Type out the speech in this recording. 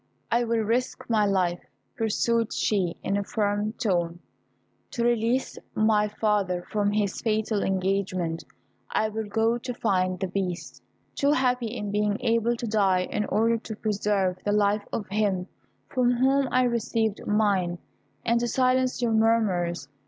I will risk my life," pursued she, in a firm tone, "to release my father from his fatal engagement. I will go to find the Beast; too happy in being able to die in order to preserve the life of him from whom I received mine, and to silence your murmurs.